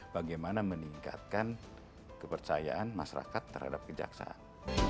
bagaimana meningkatkan kepercayaan masyarakat terhadap kejaksaan